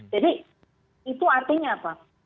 jadi itu artinya apa